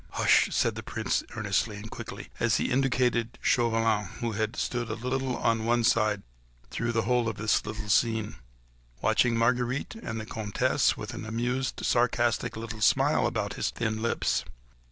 "Hush!" said the Prince, earnestly and quickly, as he indicated Chauvelin, who had stood a little on one side throughout the whole of this little scene, watching Marguerite and the Comtesse with an amused, sarcastic little smile around his thin lips.